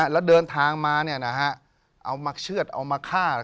แล้วเดินทางมาเอามาเชื่อดเอามาฆ่า